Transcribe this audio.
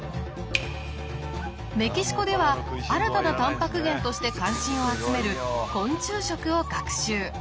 メキシコでは新たなタンパク源として関心を集める昆虫食を学習。